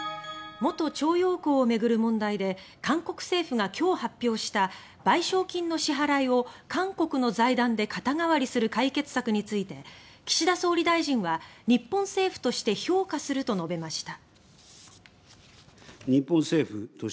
元徴用工を巡る問題で韓国政府が今日発表した賠償金の支払いを韓国の財団で肩代わりする解決策について岸田総理大臣は、日本政府として「評価する」と述べました。